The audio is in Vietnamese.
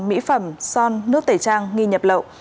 mỹ phẩm son nước tẩy trang nghi nhập lộ